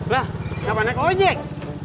wah siapa naik ojek